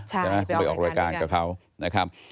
ใช่ไหมคุณไปออกรายการกับเขานะครับ